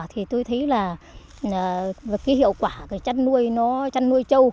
hiệu quả chăn nuôi châu